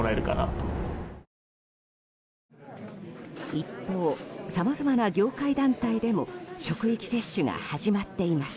一方、さまざまな業界団体でも職域接種が始まっています。